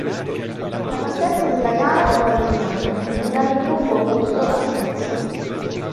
La partenza della gara fu a Legnano mentre l'arrivo fu a Busto Arsizio.